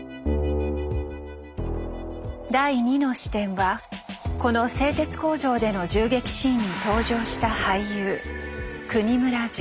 第２の視点はこの製鉄工場での銃撃シーンに登場した俳優國村隼。